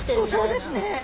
そうですね！